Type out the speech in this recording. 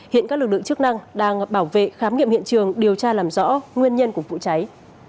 hiện các lực lượng chức năng đang bảo vệ khám nghiệm hiện trường điều tra làm rõ nguyên nhân của vụ cháy